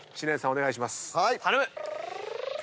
お願いします。